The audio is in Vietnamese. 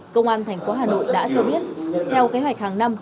công an tp hà nội đã cho biết theo kế hoạch hàng năm